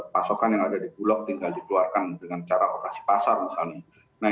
pasokan yang ada di bulog tinggal dikeluarkan dengan cara lokasi pasar misalnya